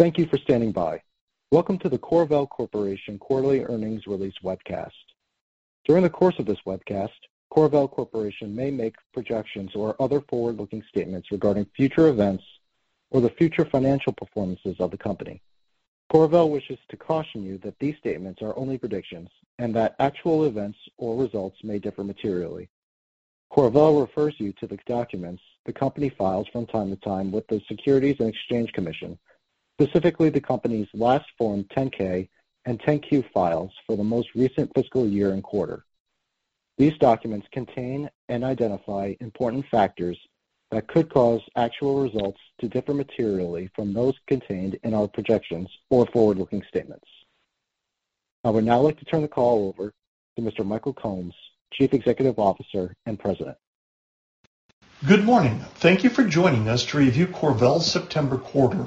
Thank you for standing by. Welcome to the CorVel Corporation quarterly earnings release webcast. During the course of this webcast, CorVel Corporation may make projections or other forward-looking statements regarding future events or the future financial performances of the company. CorVel wishes to caution you that these statements are only predictions and that actual events or results may differ materially. CorVel refers you to the documents the company files from time to time with the Securities and Exchange Commission, specifically the company's last Form 10-K and 10-Q filings for the most recent fiscal year and quarter. These documents contain and identify important factors that could cause actual results to differ materially from those contained in our projections or forward-looking statements. I would now like to turn the call over to Mr. Michael Combs, Chief Executive Officer and President. Good morning. Thank you for joining us to review CorVel's September quarter.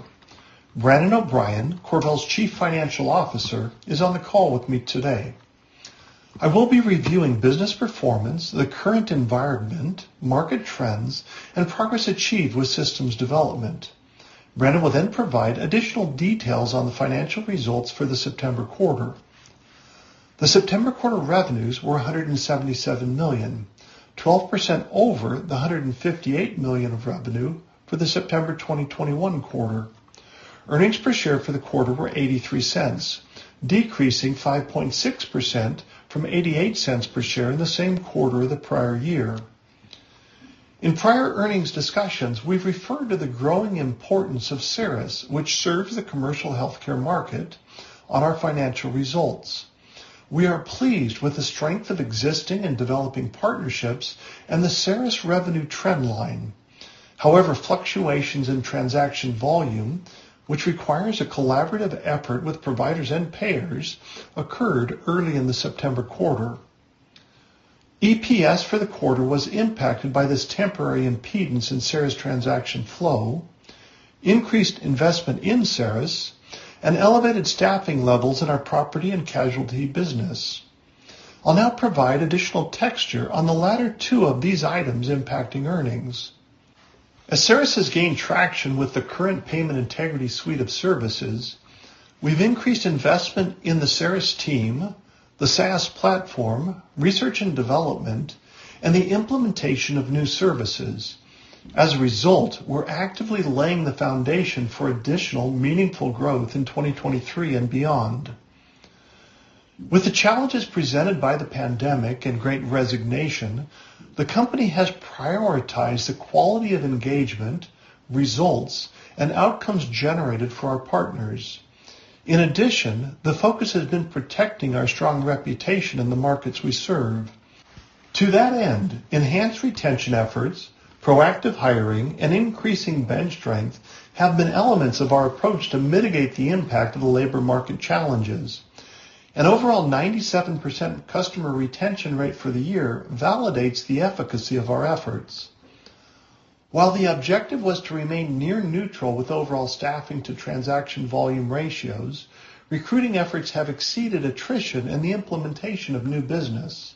Brandon O'Brien, CorVel's Chief Financial Officer, is on the call with me today. I will be reviewing business performance, the current environment, market trends, and progress achieved with systems development. Brandon will then provide additional details on the financial results for the September quarter. The September quarter revenues were $177 million, 12% over the $158 million of revenue for the September 2021 quarter. Earnings per share for the quarter were $0.83, decreasing 5.6% from $0.88 per share in the same quarter of the prior year. In prior earnings discussions, we've referred to the growing importance of CERIS, which serves the commercial healthcare market on our financial results. We are pleased with the strength of existing and developing partnerships and the CERIS revenue trend line. However, fluctuations in transaction volume, which requires a collaborative effort with providers and payers, occurred early in the September quarter. EPS for the quarter was impacted by this temporary impediment in CERIS transaction flow, increased investment in CERIS, and elevated staffing levels in our property and casualty business. I'll now provide additional texture on the latter two of these items impacting earnings. As CERIS has gained traction with the current payment integrity suite of services, we've increased investment in the CERIS team, the SaaS platform, research and development, and the implementation of new services. As a result, we're actively laying the foundation for additional meaningful growth in 2023 and beyond. With the challenges presented by the pandemic and Great Resignation, the company has prioritized the quality of engagement, results, and outcomes generated for our partners. In addition, the focus has been protecting our strong reputation in the markets we serve. To that end, enhanced retention efforts, proactive hiring, and increasing bench strength have been elements of our approach to mitigate the impact of the labor market challenges. An overall 97% customer retention rate for the year validates the efficacy of our efforts. While the objective was to remain near neutral with overall staffing to transaction volume ratios, recruiting efforts have exceeded attrition and the implementation of new business.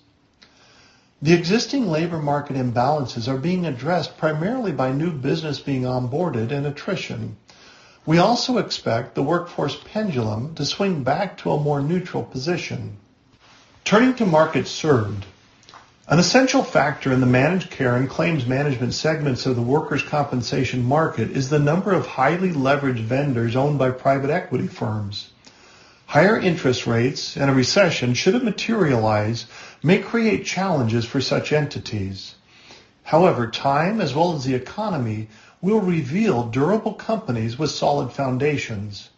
The existing labor market imbalances are being addressed primarily by new business being onboarded and attrition. We also expect the workforce pendulum to swing back to a more neutral position. Turning to markets served. An essential factor in the managed care and claims management segments of the workers' compensation market is the number of highly leveraged vendors owned by private equity firms. Higher interest rates and a recession should it materialize may create challenges for such entities. However, time as well as the economy will reveal durable companies with solid foundations.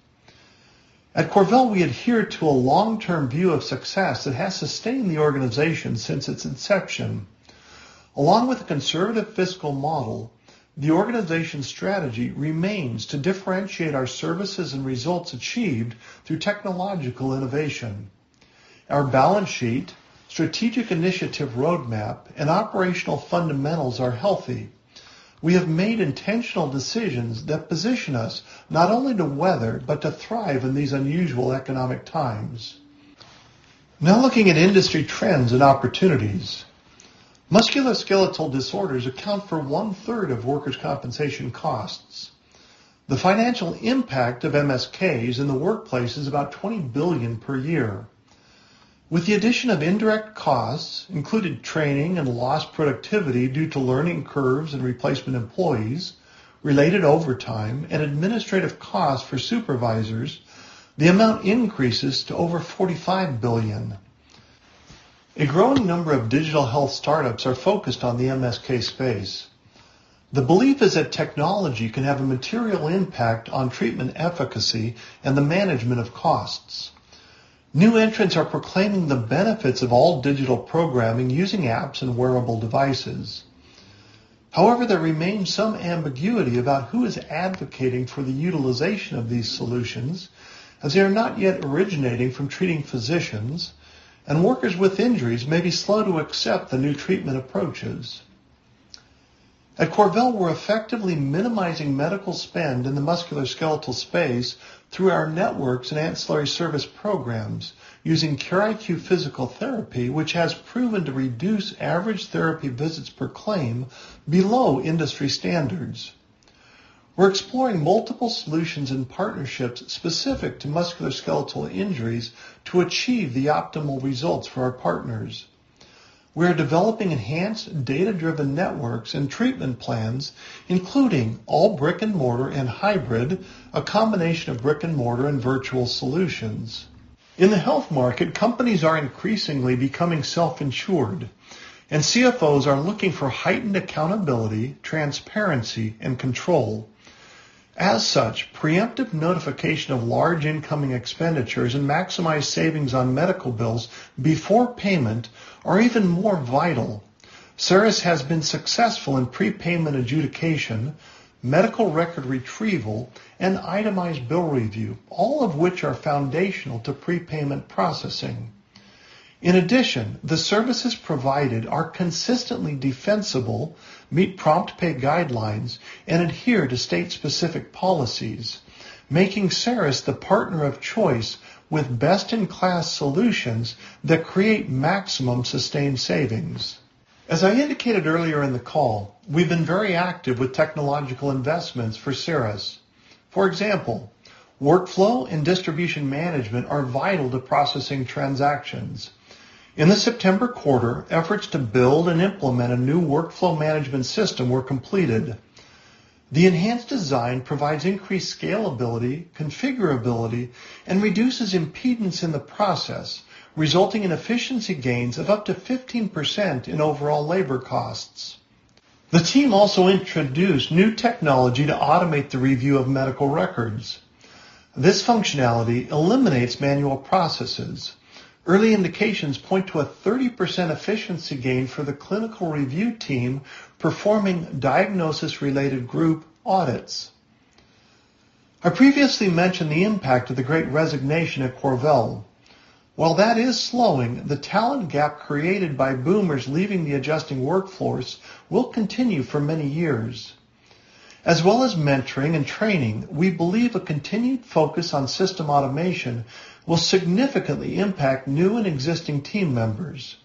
At CorVel, we adhere to a long-term view of success that has sustained the organization since its inception. Along with a conservative fiscal model, the organization's strategy remains to differentiate our services and results achieved through technological innovation. Our balance sheet, strategic initiative roadmap, and operational fundamentals are healthy. We have made intentional decisions that position us not only to weather, but to thrive in these unusual economic times. Now looking at industry trends and opportunities. Musculoskeletal disorders account for one-third of workers' compensation costs. The financial impact of MSKs in the workplace is about $20 billion per year. With the addition of indirect costs, including training and lost productivity due to learning curves and replacement employees, related overtime, and administrative costs for supervisors, the amount increases to over $45 billion. A growing number of digital health startups are focused on the MSK space. The belief is that technology can have a material impact on treatment efficacy and the management of costs. New entrants are proclaiming the benefits of all digital programming using apps and wearable devices. However, there remains some ambiguity about who is advocating for the utilization of these solutions as they are not yet originating from treating physicians, and workers with injuries may be slow to accept the new treatment approaches. At CorVel, we're effectively minimizing medical spend in the musculoskeletal space through our networks and ancillary service programs using CareIQ physical therapy, which has proven to reduce average therapy visits per claim below industry standards. We're exploring multiple solutions and partnerships specific to musculoskeletal injuries to achieve the optimal results for our partners. We are developing enhanced data-driven networks and treatment plans, including all brick-and-mortar and hybrid, a combination of brick-and-mortar and virtual solutions. In the health market, companies are increasingly becoming self-insured, and CFOs are looking for heightened accountability, transparency, and control. As such, preemptive notification of large incoming expenditures and maximized savings on medical bills before payment are even more vital. CERIS has been successful in prepayment adjudication, medical record retrieval, and itemized bill review, all of which are foundational to prepayment processing. In addition, the services provided are consistently defensible, meet prompt pay guidelines, and adhere to state-specific policies, making CERIS the partner of choice with best-in-class solutions that create maximum sustained savings. As I indicated earlier in the call, we've been very active with technological investments for CERIS. For example, workflow and distribution management are vital to processing transactions. In the September quarter, efforts to build and implement a new workflow management system were completed. The enhanced design provides increased scalability, configurability, and reduces impedance in the process, resulting in efficiency gains of up to 15% in overall labor costs. The team also introduced new technology to automate the review of medical records. This functionality eliminates manual processes. Early indications point to a 30% efficiency gain for the clinical review team performing diagnosis-related group audits. I previously mentioned the impact of the Great Resignation at CorVel. While that is slowing, the talent gap created by boomers leaving the adjusting workforce will continue for many years. As well as mentoring and training, we believe a continued focus on system automation will significantly impact new and existing team members.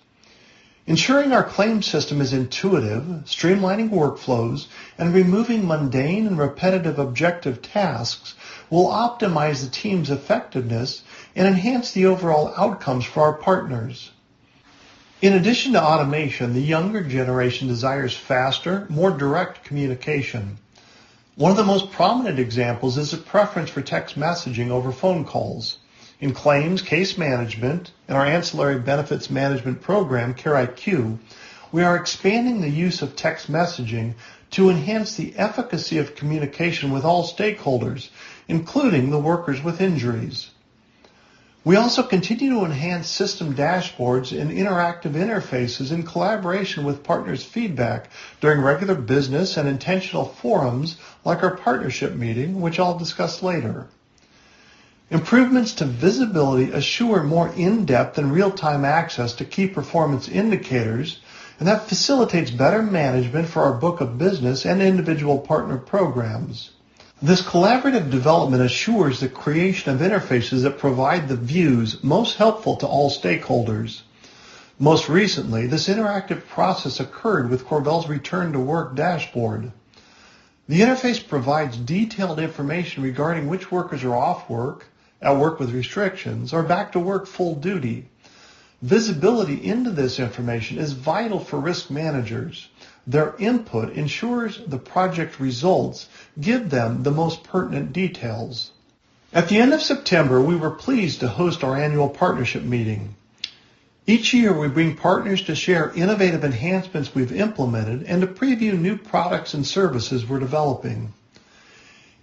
Ensuring our claim system is intuitive, streamlining workflows, and removing mundane and repetitive objective tasks will optimize the team's effectiveness and enhance the overall outcomes for our partners. In addition to automation, the younger generation desires faster, more direct communication. One of the most prominent examples is a preference for text messaging over phone calls. In claims, case management, and our ancillary benefits management program, CareIQ, we are expanding the use of text messaging to enhance the efficacy of communication with all stakeholders, including the workers with injuries. We also continue to enhance system dashboards and interactive interfaces in collaboration with partners' feedback during regular business and intentional forums like our partnership meeting, which I'll discuss later. Improvements to visibility assure more in-depth and real-time access to key performance indicators, and that facilitates better management for our book-of-business and individual partner programs. This collaborative development assures the creation of interfaces that provide the views most helpful to all stakeholders. Most recently, this interactive process occurred with CorVel's Return to Work dashboard. The interface provides detailed information regarding which workers are off work, at work with restrictions, or back to work full duty. Visibility into this information is vital for risk managers. Their input ensures the project results give them the most pertinent details. At the end of September, we were pleased to host our annual partnership meeting. Each year, we bring partners to share innovative enhancements we've implemented and to preview new products and services we're developing.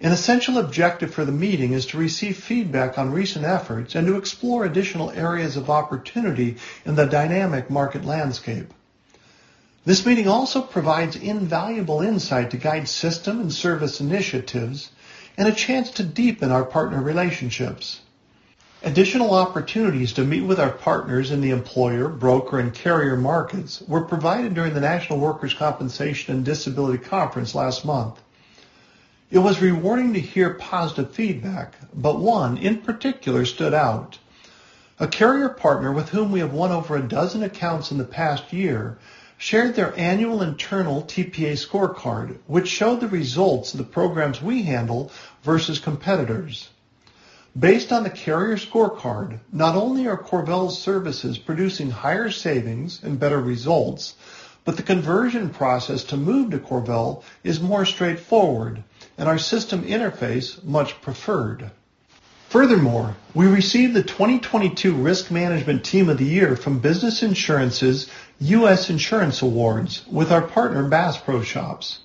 An essential objective for the meeting is to receive feedback on recent efforts and to explore additional areas of opportunity in the dynamic market landscape. This meeting also provides invaluable insight to guide system and service initiatives and a chance to deepen our partner relationships. Additional opportunities to meet with our partners in the employer, broker, and carrier markets were provided during the National Workers' Compensation and Disability Conference last month. It was rewarding to hear positive feedback, but one, in particular, stood out. A carrier partner with whom we have won over a dozen accounts in the past year shared their annual internal TPA scorecard, which showed the results of the programs we handle versus competitors. Based on the carrier scorecard, not only are CorVel's services producing higher savings and better results, but the conversion process to move to CorVel is more straightforward, and our system interface much preferred. Furthermore, we received the 2022 Risk Management Team of the Year from Business Insurance's U.S. Insurance Awards with our partner, Bass Pro Shops.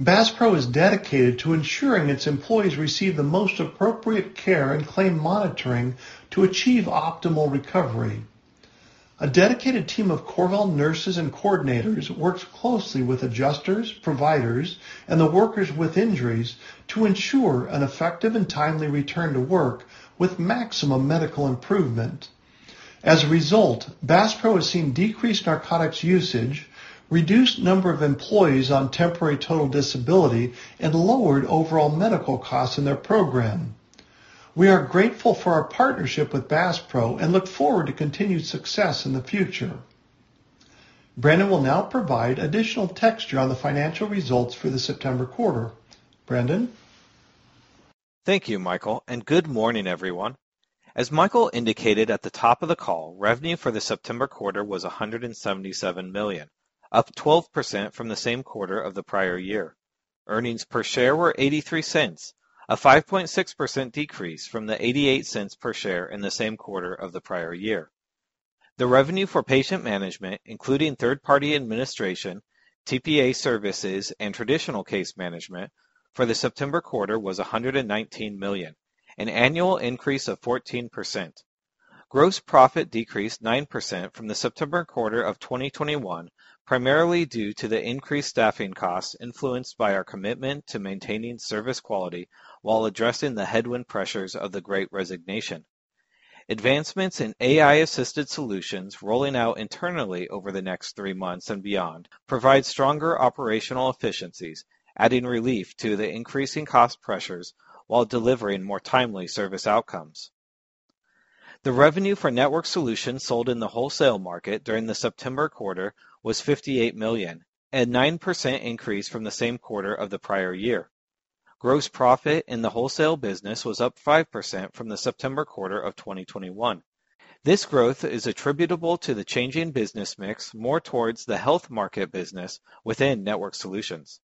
Bass Pro is dedicated to ensuring its employees receive the most appropriate care and claim monitoring to achieve optimal recovery. A dedicated team of CorVel nurses and coordinators works closely with adjusters, providers, and the workers with injuries to ensure an effective and timely return to work with maximum medical improvement. As a result, Bass Pro has seen decreased narcotics usage, reduced number of employees on temporary total disability, and lowered overall medical costs in their program. We are grateful for our partnership with Bass Pro and look forward to continued success in the future. Brandon will now provide additional texture on the financial results for the September quarter. Brandon? Thank you, Michael, and good morning, everyone. As Michael indicated at the top of the call, revenue for the September quarter was $177 million, up 12% from the same quarter of the prior year. Earnings per share were $0.83, a 5.6% decrease from the $0.88 per share in the same quarter of the prior year. The revenue for patient management, including third-party administration, TPA services, and traditional case management for the September quarter was $119 million, an annual increase of 14%. Gross profit decreased 9% from the September quarter of 2021, primarily due to the increased staffing costs influenced by our commitment to maintaining service quality while addressing the headwind pressures of the Great Resignation. Advancements in AI-assisted solutions rolling out internally over the next three months and beyond provide stronger operational efficiencies, adding relief to the increasing cost pressures while delivering more timely service outcomes. The revenue for network solutions sold in the wholesale market during the September quarter was $58 million, a 9% increase from the same quarter of the prior year. Gross profit in the wholesale business was up 5% from the September quarter of 2021. This growth is attributable to the changing business mix more towards the health market business within network solutions.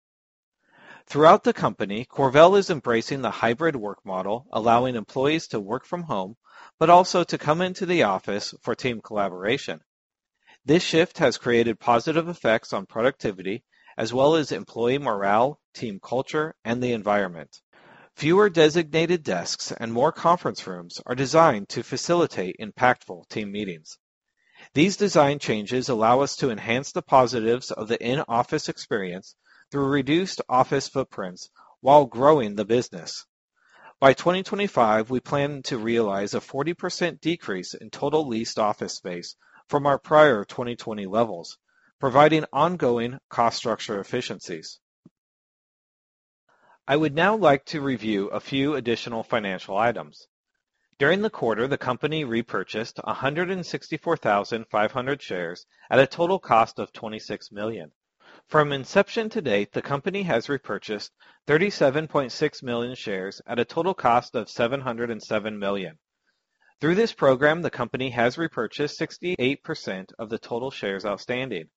Throughout the company, CorVel is embracing the hybrid work model, allowing employees to work from home but also to come into the office for team collaboration. This shift has created positive effects on productivity as well as employee morale, team culture, and the environment. Fewer designated desks and more conference rooms are designed to facilitate impactful team meetings. These design changes allow us to enhance the positives of the in-office experience through reduced office footprints while growing the business. By 2025, we plan to realize a 40% decrease in total leased office space from our prior 2020 levels, providing ongoing cost structure efficiencies. I would now like to review a few additional financial items. During the quarter, the company repurchased 164,500 shares at a total cost of $26 million. From inception to date, the company has repurchased 37.6 million shares at a total cost of $707 million. Through this program, the company has repurchased 68% of the total shares outstanding.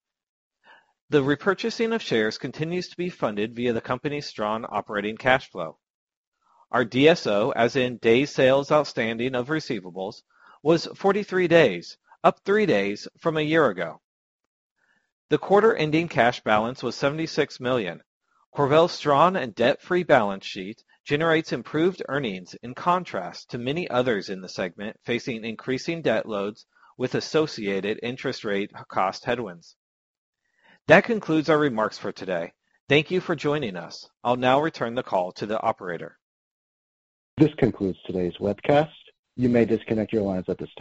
The repurchasing of shares continues to be funded via the company's strong operating cash flow. Our DSO, as in days sales outstanding of receivables, was 43 days, up three days from a year ago. The quarter-ending cash balance was $76 million. CorVel's strong and debt-free balance sheet generates improved earnings in contrast to many others in the segment facing increasing debt loads with associated interest rate cost headwinds. That concludes our remarks for today. Thank you for joining us. I'll now return the call to the operator. This concludes today's webcast. You may disconnect your lines at this time.